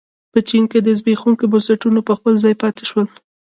په چین کې زبېښونکي بنسټونه په خپل ځای پاتې شول.